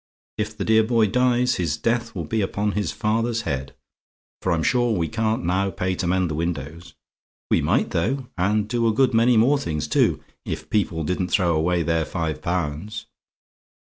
If the dear boy dies, his death will be upon his father's head; for I'm sure we can't now pay to mend windows. We might though, and do a good many more things too, if people didn't throw away their five pounds.